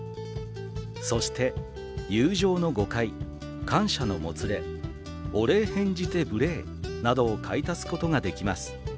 「そして『友情の誤解』『感謝のもつれ』『お礼変じて無礼』などを買い足すことができます。